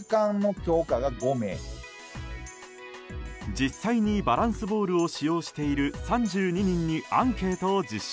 実際にバランスボールを使用している３２人にアンケートを実施。